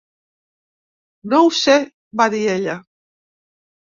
"No ho sé", va dir ella.